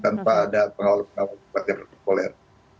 tanpa ada pengawal pengawal yang populer